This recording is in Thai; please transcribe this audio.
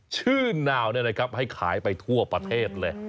ชื่นนาวเนี่ยนะครับให้ขายไปทั่วประเทศเลย